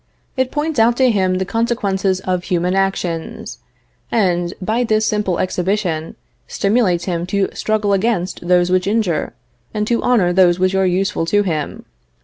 It points out to him the consequences of human actions, and, by this simple exhibition, stimulates him to struggle against those which injure, and to honor those which are useful to him.